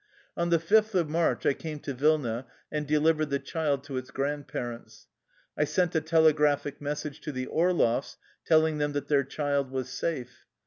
On the fifth of March I came to Vilna, and de livered the child to its grandparents. I sent a telegraphic message to the Orloffs telling them that their child was safe.